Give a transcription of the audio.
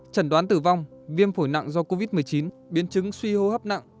trần đoán tử vong viêm phổi nặng do covid một mươi chín biến chứng suy hô hấp nặng